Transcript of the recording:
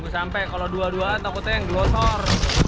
sampai kalau dua dua takutnya yang diosor